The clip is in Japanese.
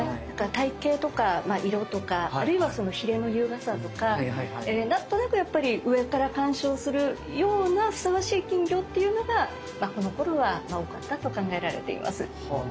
体形とか色とかあるいはヒレの優雅さとか何となくやっぱり上から観賞するようなふさわしい金魚っていうのがこのころは多かったと考えられています。